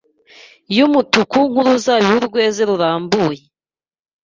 yumutuku nkuruzabibu rweze rurambuye